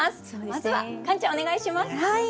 まずはカンちゃんお願いします。